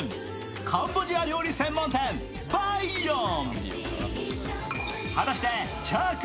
カンボジア料理専門店、バイヨン。